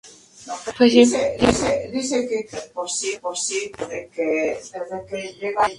Buenos Aires: Editorial del Instituto.